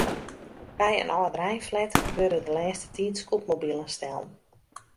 By in âldereinflat wurde de lêste tiid scootmobilen stellen.